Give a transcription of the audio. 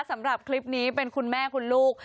สำหรับคลิปนี้เป็นคุณแม่คุณลูก